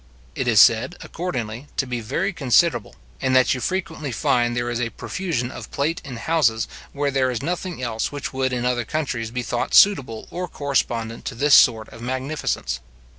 It is said, accordingly, to be very considerable, and that you frequently find there a profusion of plate in houses, where there is nothing else which would in other countries be thought suitable or correspondent to this sort of magnificence.